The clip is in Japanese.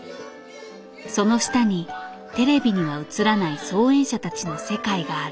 その下にテレビには映らない操演者たちの世界がある。